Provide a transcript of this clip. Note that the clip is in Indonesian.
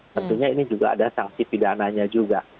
tentunya ini juga ada sanksi pidananya juga